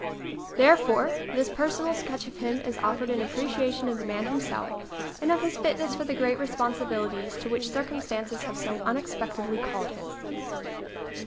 Therefore, this personal sketch of him is offered in appreciation of the man himself and of his fitness for the great responsibil ities to ivhich circumstances have so unex pectedly called him.